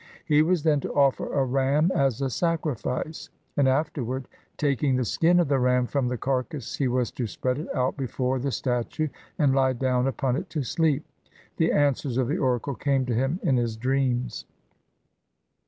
He was then to offer a ram as a sacrifice; and afterward, taking the skin of the ram from the carcass, he was to spread it out before the statue and lie down upon it to sleep. The answers of the oracle came to him in his dreams.